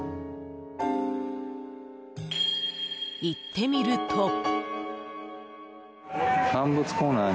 行ってみると。